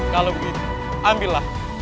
kalau begitu ambillah